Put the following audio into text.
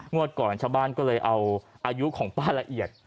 ก่อนชาวบ้านก็เลยเอาอายุของป้าละเอียด